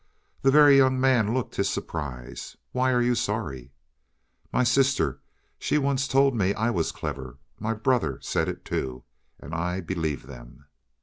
The Very Young Man looked his surprise. "Why are you sorry?" "My sister, she once told me I was clever. My brother said it, too, and I believed them."